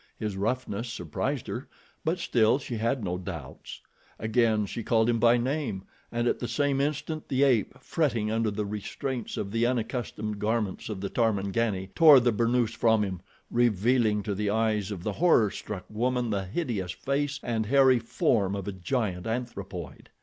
His roughness surprised her, but still she had no doubts. Again she called him by name, and at the same instant the ape, fretting under the restraints of the unaccustomed garments of the Tarmangani, tore the burnoose from him, revealing to the eyes of the horror struck woman the hideous face and hairy form of a giant anthropoid.